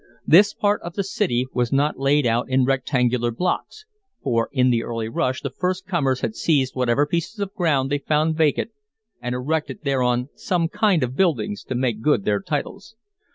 This part of the city was not laid out in rectangular blocks, for in the early rush the first comers had seized whatever pieces of ground they found vacant and erected thereon some kind of buildings to make good their titles.